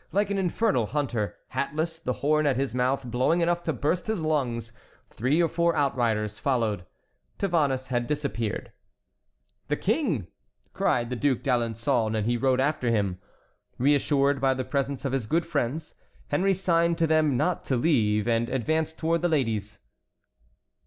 like an infernal hunter, hatless, the horn at his mouth blowing enough to burst his lungs; three or four outriders followed. Tavannes had disappeared. "The King!" cried the Duc d'Alençon, and he rode after him. Reassured by the presence of his good friends, Henry signed to them not to leave, and advanced towards the ladies.